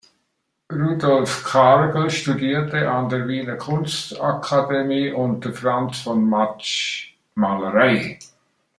Rudolf Kargl studierte an der Wiener Kunstakademie unter Franz von Matsch Malerei.